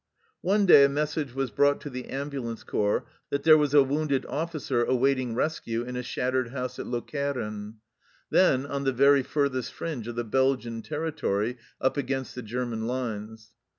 One day a message was brought to the ambulance corps that there was a wounded officer awaiting rescue in a shattered house at Lokeren, then on the very furthest fringe of the Belgian territory, up against the German lines.